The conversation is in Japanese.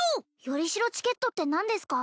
よりしろチケットって何ですか？